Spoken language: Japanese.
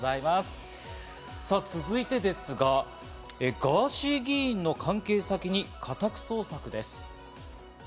さぁ続いてですが、ガーシー議員の関係先に家宅捜索です。